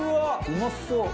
うまそう！